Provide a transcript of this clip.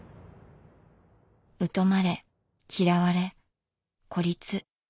疎まれ嫌われ孤立。